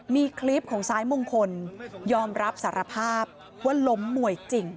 มีคลิปของซ้ายมงคลยอมรับสารภาพว่าล้มมวยจริง